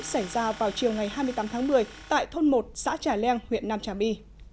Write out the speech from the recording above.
xảy ra vào chiều ngày hai mươi tám tháng một mươi tại thôn một xã trà leng huyện nam trà my